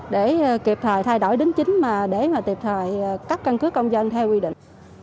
để kịp thời thay đổi đính chính mà để mà kịp thời cấp căn cứ công dân theo quy định